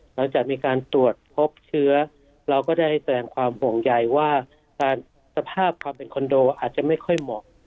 หลังจากมีการตรวจพบเชื้อเราก็ได้แสดงความห่วงใยว่าสภาพความเป็นคอนโดอาจจะไม่ค่อยเหมาะ